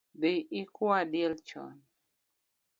Dhi ikua diek chon